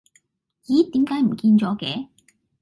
咦點解唔見咗嘅